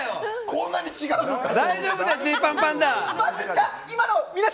こんなに違うのかと！